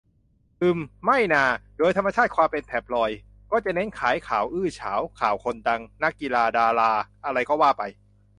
อืม ไม่นา โดยธรรมชาติความเป็นแท็บลอยด์ ก็จะเน้นขายข่าวอื้อฉาว ข่าวคนดัง นักกีฬา ดารา อะไรก็ว่าไป